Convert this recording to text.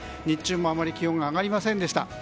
日中もあまり気温が上がりませんでした。